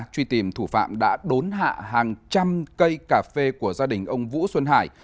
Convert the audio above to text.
truy tìm thủ phạm đã đốn hạ hàng trăm cây cà phê của gia đình ông vũ xuân hải